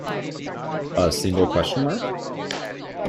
A single question mark ?